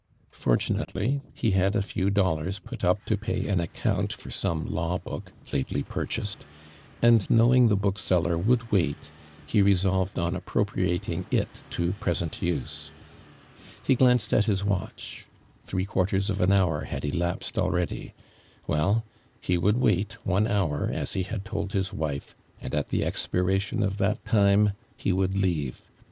For tunately he had a few dollars put up to pay an account for some law l)Ook lately purchased, and knowing tho bookseller would wait, he resolved on appropriating it to present use. lie glanced at his watch. Three quartei*s of an hour hatl elapsed al ready. Well, he would wait one hour as he had told his wife, and at tho expiration of tiiat time, he would Iciivc.